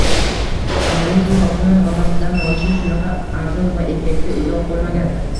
Aholining hokimlar holatidan nolishi shunaqa arzon va effekti uzoq bo‘lmagan